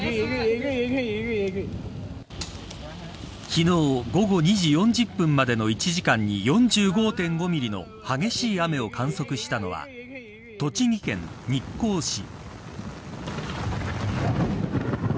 昨日午後２時４０分までの１時間に４５．５ミリの激しい雨を観測したのは、栃木県日光市。